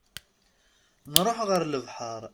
Nruḥ ɣer lebḥer.